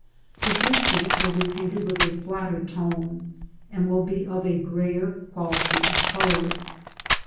The distance will be painted with a flatter tone, and will be of a greyer quality of colour.